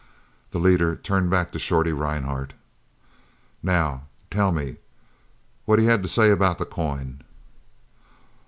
The leader turned back to Shorty Rhinehart. "Now tell me what he had to say about the coin."